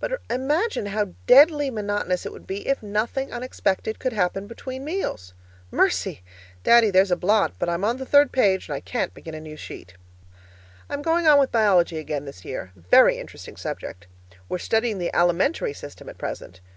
But imagine how DEADLY monotonous it would be if nothing unexpected could happen between meals. Mercy! Daddy, there's a blot, but I'm on the third page and I can't begin a new sheet. I'm going on with biology again this year very interesting subject; we're studying the alimentary system at present.